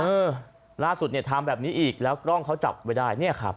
เออล่าสุดเนี่ยทำแบบนี้อีกแล้วกล้องเขาจับไว้ได้เนี่ยครับ